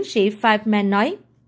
sĩ feynman nói